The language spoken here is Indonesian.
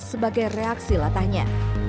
sebagai reaksi latahnya